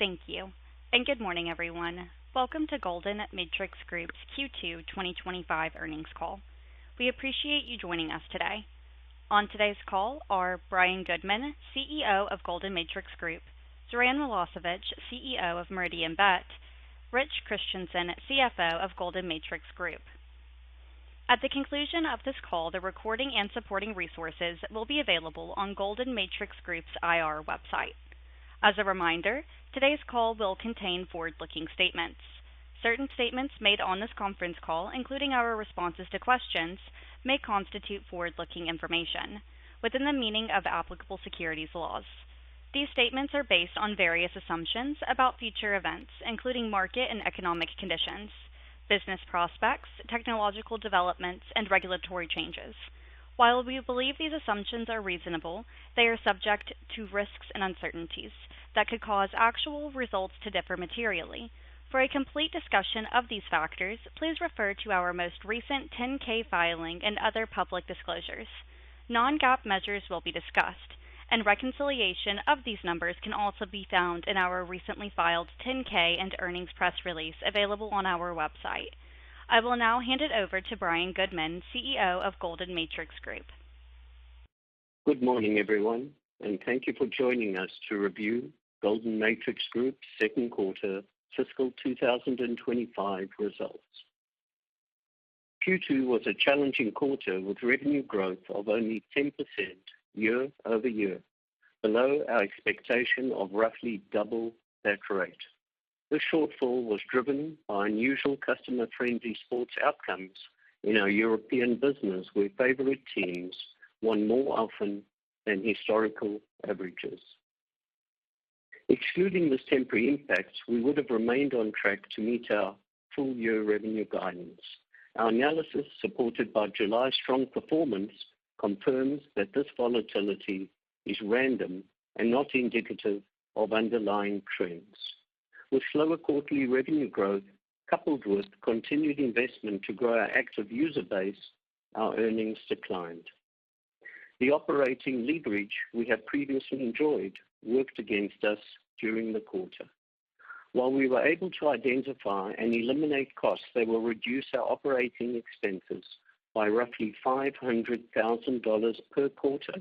Thank you, and good morning, everyone. Welcome to Golden Matrix Group Q2 2025 Earnings Call. We appreciate you joining us today. On today's call are Brian Goodman, CEO of Golden Matrix Group, Zoran Milošević, CEO of Meridianbet; and Rich Christensen, CFO of Golden Matrix Group. At the conclusion of this call, the recording and supporting resources will be available on Golden Matrix Group's IR website. As a reminder, today's call will contain forward-looking statements. Certain statements made on this conference call, including our responses to questions, may constitute forward-looking information within the meaning of applicable securities laws. These statements are based on various assumptions about future events, including market and economic conditions, business prospects, technological developments, and regulatory changes. While we believe these assumptions are reasonable, they are subject to risks and uncertainties that could cause actual results to differ materially. For a complete discussion of these factors, please refer to our most recent 10-K filing and other public disclosures. Non-GAAP measures will be discussed, and reconciliation of these numbers can also be found in our recently filed 10-K and earnings press release available on our website. I will now hand it over to Brian Goodman, CEO of Golden Matrix Group. Good morning, everyone, and thank you for joining us to review Golden Matrix Group's second quarter fiscal 2025 results. Q2 was a challenging quarter with revenue growth of only 10% year-over-year, below our expectation of roughly double that. The shortfall was driven by unusual customer-friendly sports outcomes in our European business, with favorite teams winning more often than historical averages. Excluding this temporary impact, we would have remained on track to meet our full-year revenue guidance. Our analysis, supported by July's strong performance, confirms that this volatility is random and not indicative of underlying trends. With slower quarterly revenue growth coupled with continued investment to grow our active user base, our earnings declined. The operating leverage we have previously enjoyed worked against us during the quarter. While we were able to identify and eliminate costs that will reduce our operating expenses by roughly $500,000 per quarter,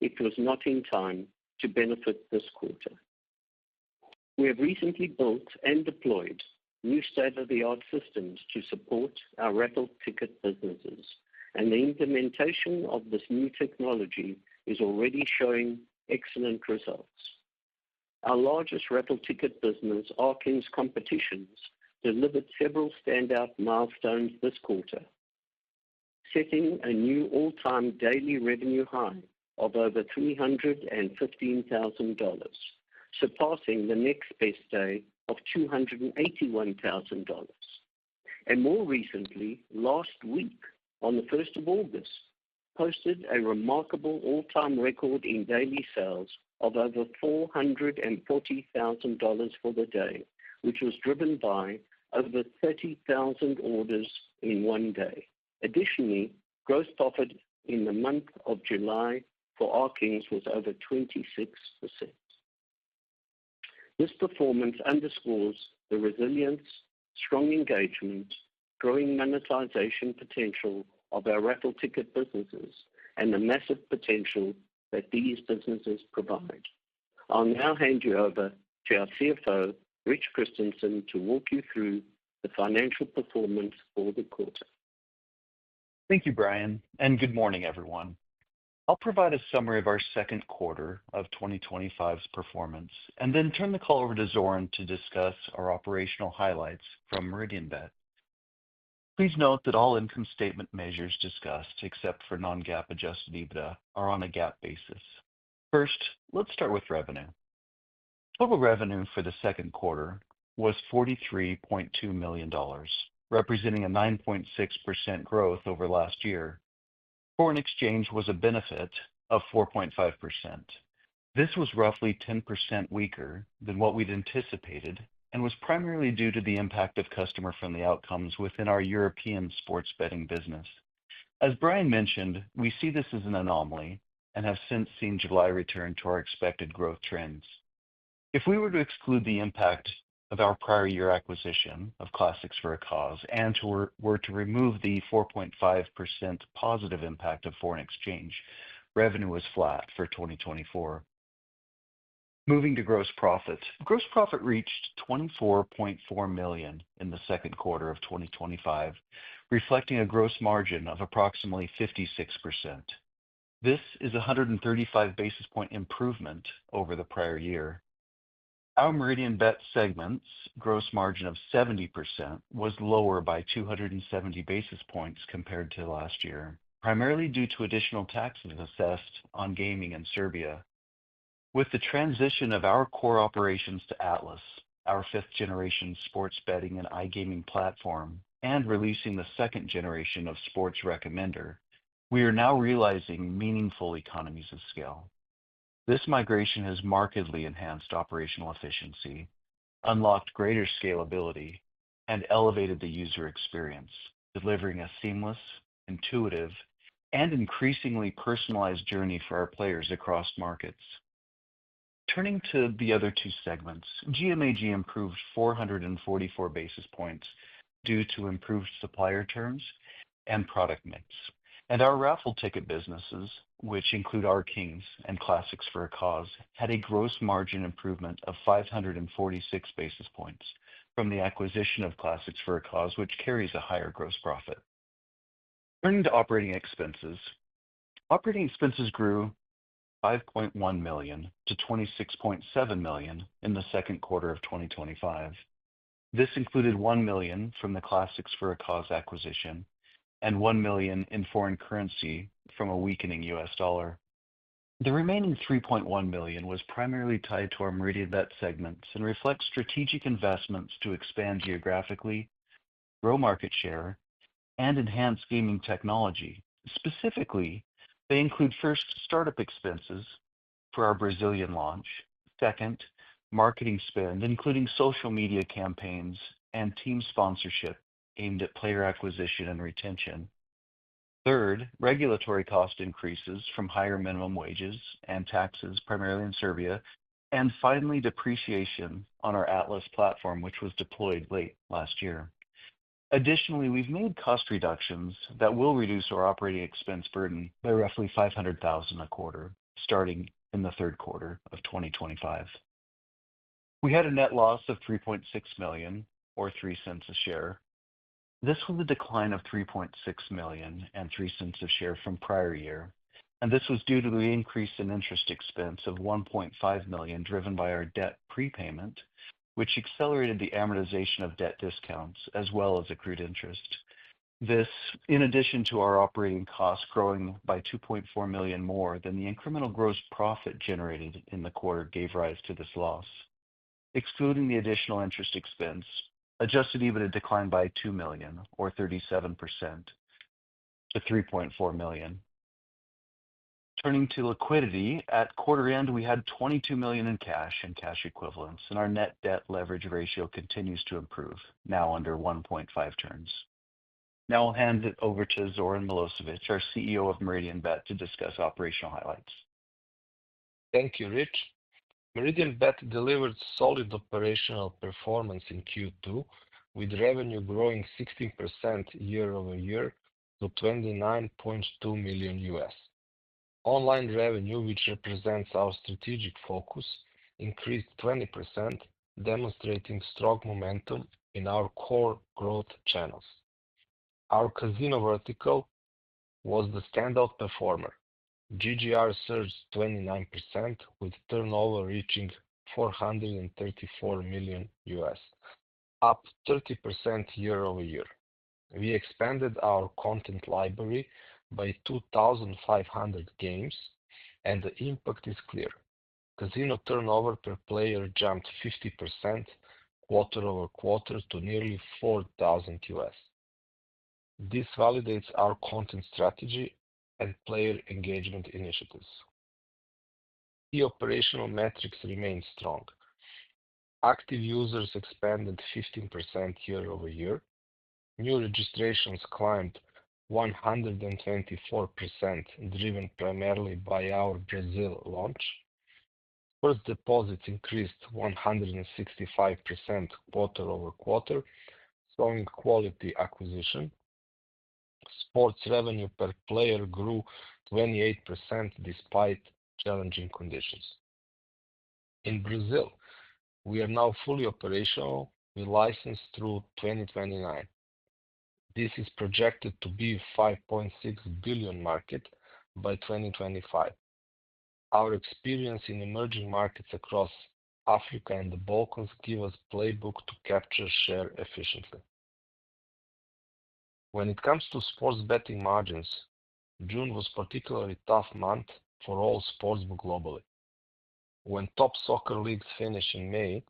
it was not in time to benefit this quarter. We have recently built and deployed new state-of-the-art systems to support our raffle ticket businesses, and the implementation of this new technology is already showing excellent results. Our largest raffle ticket business, Arken’s Competitions, delivered several standout milestones this quarter, setting a new all-time daily revenue high of over $315,000, surpassing the next best day of $281,000. More recently, last week on the 1st of August, posted a remarkable all-time record in daily sales of over $440,000 for the day, which was driven by over 30,000 orders in one day. Additionally, gross profit in the month of July for Arken’s was over 26%. This performance underscores the resilience, strong engagement, growing monetization potential of our raffle ticket businesses, and the massive potential that these businesses provide. I'll now hand you over to our CFO, Rich Christensen, to walk you through the financial performance for the quarter. Thank you, Brian, and good morning, everyone. I'll provide a summary of our second quarter of 2025's performance and then turn the call over to Zoran to discuss our operational highlights from Meridianbet. Please note that all income statement measures discussed, except for non-GAAP adjusted EBITDA, are on a GAAP basis. First, let's start with revenue. Total revenue for the second quarter was $43.2 million, representing a 9.6% growth over last year. Foreign exchange was a benefit of 4.5%. This was roughly 10% weaker than what we'd anticipated and was primarily due to the impact of customer-friendly outcomes within our European sports betting business. As Brian mentioned, we see this as an anomaly and have since seen July return to our expected growth trends. If we were to exclude the impact of our prior year acquisition of Classics For A Cause and were to remove the 4.5% positive impact of foreign exchange, revenue was flat for 2024. Moving to gross profit, gross profit reached $24.4 million in the second quarter of 2025, reflecting a gross margin of approximately 56%. This is a 135 basis point improvement over the prior year. Our Meridianbet segment's gross margin of 70% was lower by 270 basis points compared to last year, primarily due to additional taxes assessed on gaming in Serbia. With the transition of our core operations to Atlas iGaming platform, our 5th generation sports betting and iGaming platform, and releasing the second generation of Sports Recommender, we are now realizing meaningful economies of scale. This migration has markedly enhanced operational efficiency, unlocked greater scalability, and elevated the user experience, delivering a seamless, intuitive, and increasingly personalized journey for our players across markets. Turning to the other two segments, GMAG improved 444 basis points due to improved supplier terms and product mix, and our raffle ticket businesses, which include Arken’s Competitions and Classics For A Cause, had a gross margin improvement of 546 basis points from the acquisition of Classics For A Cause, which carries a higher gross profit. Turning to operating expenses, operating expenses grew $5.1 million to $26.7 million in the second quarter of 2025. This included $1 million from the Classics For A Cause acquisition and $1 million in foreign currency from a weakening U.S., dollar. The remaining $3.1 million was primarily tied to our Meridianbet segments and reflects strategic investments to expand geographically, grow market share, and enhance gaming technology. Specifically, they include, first, startup expenses for our Brazilian launch, second, marketing spend, including social media campaigns and team sponsorship aimed at player acquisition and retention, third, regulatory cost increases from higher minimum wages and taxes, primarily in Serbia, and finally, depreciation on our Atlas iGaming platform, which was deployed late last year. Additionally, we've made cost reductions that will reduce our operating expense burden by roughly $500,000 a quarter, starting in the third quarter of 2025. We had a net loss of $3.6 million or $0.03 a share. This was a decline of $3.6 million and $0.03 a share from prior year, and this was due to the increase in interest expense of $1.5 million, driven by our debt prepayment, which accelerated the amortization of debt discounts as well as accrued interest. This, in addition to our operating costs growing by $2.4 million more than the incremental gross profit generated in the quarter, gave rise to this loss. Excluding the additional interest expense, adjusted EBITDA declined by $2 million or 37% to $3.4 million. Turning to liquidity, at quarter end, we had $22 million in cash and cash equivalents, and our net debt leverage ratio continues to improve, now under 1.5 turns. Now I'll hand it over to Zoran Milošević, our CEO of Meridianbet, to discuss operational highlights. Thank you, Rich. Meridianbet delivered solid operational performance in Q2, with revenue growing 16% year-over-year to $29.2 million. Online revenue, which represents our strategic focus, increased 20%, demonstrating strong momentum in our core growth channels. Our casino vertical was the standout performer. Gross gaming revenue surged 29%, with turnover reaching $434 million, up 30% year-over-year. We expanded our content library by 2,500 games, and the impact is clear. Casino turnover per player jumped 50% quarter-over-quarter to nearly $4,000. This validates our content strategy and player engagement initiatives. Key operational metrics remain strong. Active users expanded 15% year-over-year. New registrations climbed 124%, driven primarily by our Brazil launch. First deposits increased 165% quarter-over-quarter, showing quality acquisition. Sports revenue per player grew 28% despite challenging conditions. In Brazil, we are now fully operational with license through 2029. This is projected to be a $5.6 billion market by 2025. Our experience in emerging markets across Africa and the Balkans gives us a playbook to capture share efficiently. When it comes to sports betting margins, June was a particularly tough month for all sports globally. When top soccer leagues finish in May,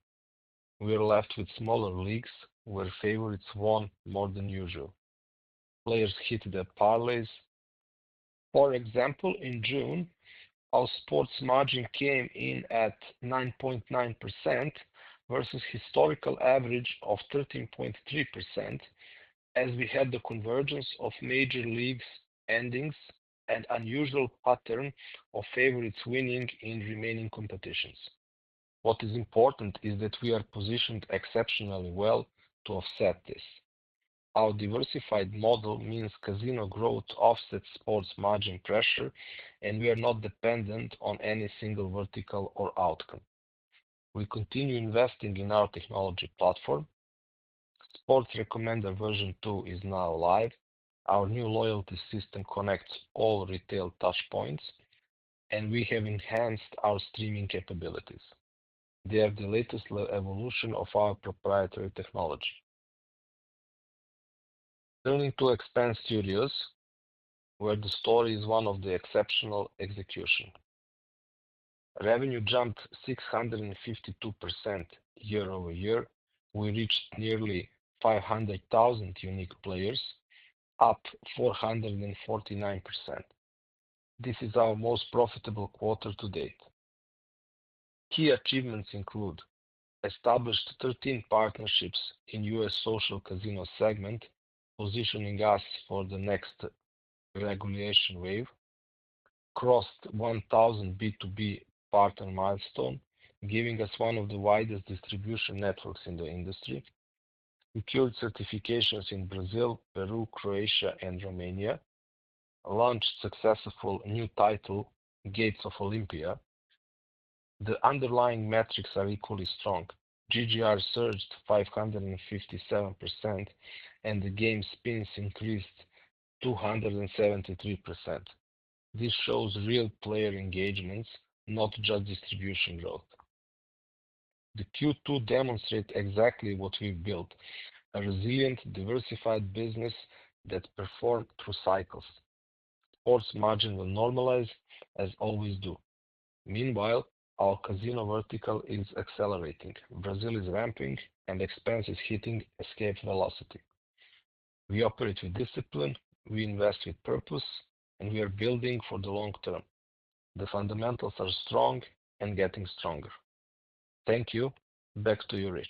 we're left with smaller leagues where favorites won more than usual. Players hated at parlays. For example, in June, our sports margin came in at 9.9% versus the historical average of 13.3%, as we had the convergence of major leagues' endings and an unusual pattern of favorites winning in remaining competitions. What is important is that we are positioned exceptionally well to offset this. Our diversified model means casino growth offsets sports margin pressure, and we are not dependent on any single vertical or outcome. We continue investing in our technology platform. Sports Recommender version 2 is now live. Our new loyalty system connects all retail touchpoints, and we have enhanced our streaming capabilities. They are the latest evolution of our proprietary technology. Turning to Expanse Studios, where the story is one of exceptional execution. Revenue jumped 652% year-over-year. We reached nearly 500,000 unique players, up 449%. This is our most profitable quarter to date. Key achievements include establishing 13 partnerships in the U.S., social casino segment, positioning us for the next regulation wave. Crossed 1,000 B2B partner milestones, giving us one of the widest distribution networks in the industry. We secured certifications in Brazil, Peru, Croatia, and Romania. Launched a successful new title, Gates of Olympia. The underlying metrics are equally strong. Gross gaming revenue surged 557%, and the game spins increased 273%. This shows real player engagement, not just distribution growth. The Q2 demonstrates exactly what we've built: a resilient, diversified business that performed through cycles. Sports margin will normalize, as always do. Meanwhile, our casino vertical is accelerating. Brazil is ramping, and Expanse is hitting escape velocity. We operate with discipline, we invest with purpose, and we are building for the long term. The fundamentals are strong and getting stronger. Thank you. Back to you, Rich.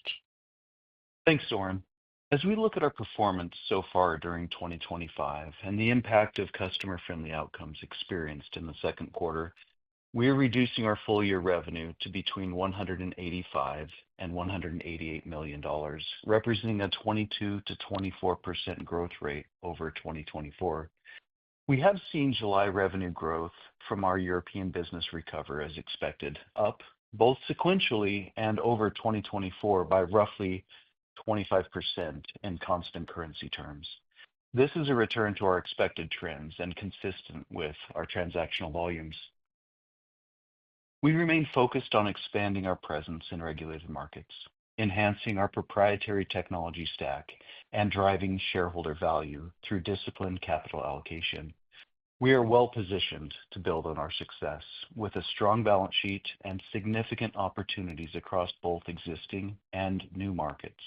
Thanks, Zoran. As we look at our performance so far during 2025 and the impact of customer-friendly outcomes experienced in the second quarter, we are reducing our full-year revenue to between $185 million and $188 million, representing a 22%-24% growth rate over 2024. We have seen July revenue growth from our European business recover, as expected, up both sequentially and over 2024 by roughly 25% in constant currency terms. This is a return to our expected trends and consistent with our transactional volumes. We remain focused on expanding our presence in regulated markets, enhancing our proprietary technology stack, and driving shareholder value through disciplined capital allocation. We are well-positioned to build on our success with a strong balance sheet and significant opportunities across both existing and new markets.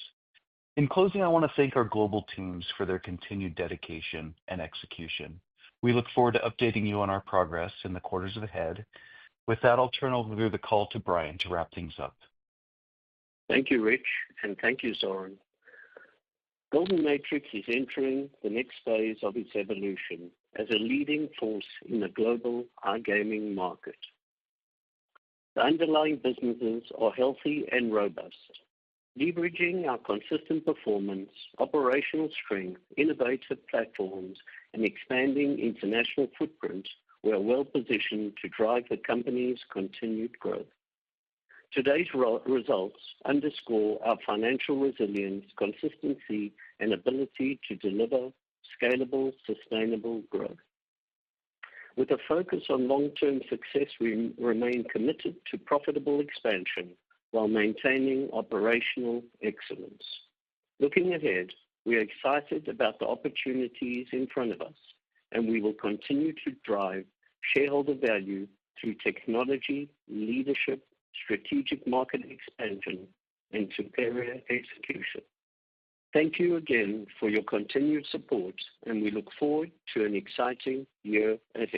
In closing, I want to thank our global teams for their continued dedication and execution. We look forward to updating you on our progress in the quarters ahead. With that, I'll turn over the call to Brian to wrap things up. Thank you, Rich, and thank you, Zoran. Golden Matrix is entering the next phase of its evolution as a leading force in the global iGaming market. The underlying businesses are healthy and robust. Leveraging our consistent performance, operational strength, innovative platforms, and expanding international footprint, we are well-positioned to drive the company's continued growth. Today's results underscore our financial resilience, consistency, and ability to deliver scalable, sustainable growth. With a focus on long-term success, we remain committed to profitable expansion while maintaining operational excellence. Looking ahead, we are excited about the opportunities in front of us, and we will continue to drive shareholder value through technology, leadership, strategic market expansion, and superior execution. Thank you again for your continued support, and we look forward to an exciting year ahead.